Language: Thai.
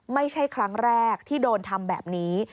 ไม่ใช่ครั้งแรกที่โดนทำแบบนี้